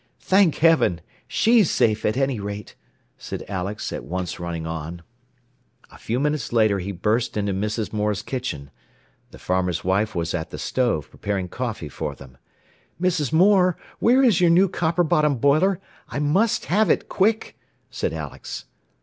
"Thank Heaven! She's safe at any rate," said Alex, at once running on. A few minutes later he burst into Mrs. Moore's kitchen. The farmer's wife was at the stove, preparing coffee for them. "Mrs. Moore, where is your new copper bottomed boiler? I must have it, quick," said Alex.